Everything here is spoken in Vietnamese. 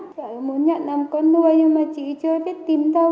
chị thường muốn nhận làm con nuôi nhưng mà chị chưa biết tìm đâu